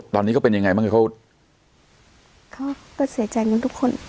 ตอนนี้เขาเป็นยังไงบ้างเขาเขาก็เสียใจหมดทุกคน